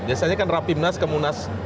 biasanya kan rapimnas ke munas